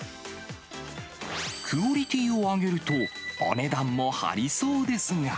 クオリティーを上げるとお値段も張りそうですが。